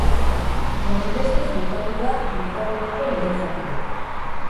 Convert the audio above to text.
Honenbestez bukatu da luzapeneko lehen zatia.